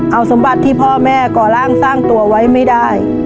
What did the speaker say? เอาสมบัติที่พ่อแม่ก่อร่างสร้างตัวไว้ไม่ได้